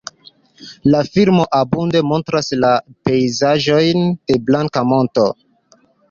La filmo abunde montras la pejzaĝojn de Blanka Monto.